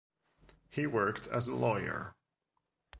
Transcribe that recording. He worked as a lawyer.